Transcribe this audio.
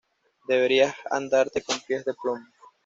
Deberías andarte con pies de plomo